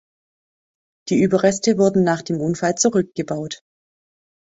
Die Überreste wurden nach dem Unfall zurückgebaut.